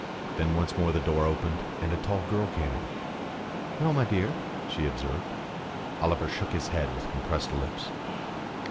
Then once more the door opened, and a tall girl came in. "Well, my dear?" she observed. Oliver shook his head, with compressed lips.